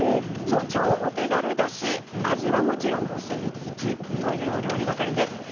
超お手軽だし味はもちろんお墨付きというお料理ばかりです。